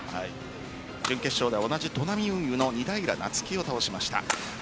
準決勝では同じトナミ運輸の仁平菜月を倒しました。